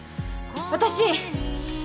私